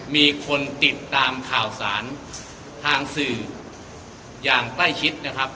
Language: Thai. มีคนติดตามข่าวสารทางสื่ออย่างใกล้ชิดนะครับ